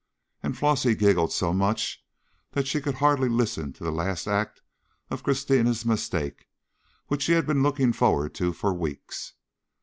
And Flossie giggled so much that she could hardly listen to the last Act of Christina's Mistake, which she had been looking forward to for weeks!